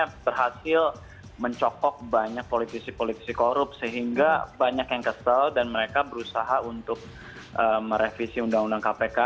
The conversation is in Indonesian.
karena berhasil mencokok banyak politisi politisi korup sehingga banyak yang kesel dan mereka berusaha untuk merevisi undang undang kpk